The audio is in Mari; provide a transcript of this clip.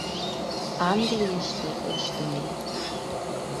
Английыште ыштыме».